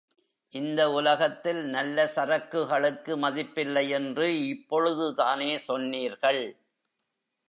இந்த உலகத்தில் நல்ல சரக்குகளுக்கு மதிப்பில்லை என்று இப் பொழுதுதானே சொன்னீர்கள்.